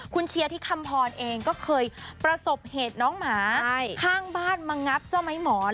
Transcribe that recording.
คุณเชียร์ที่คำพรเองก็เคยประสบเหตุน้องหมาข้างบ้านมางับเจ้าไม้หมอน